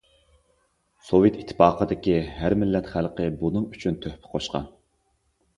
سوۋېت ئىتتىپاقىدىكى ھەر مىللەت خەلقى بۇنىڭ ئۈچۈن تۆھپە قوشقان.